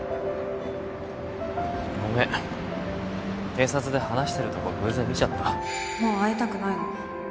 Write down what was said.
ごめん警察で話してるとこ偶然見ちゃったもう会いたくないの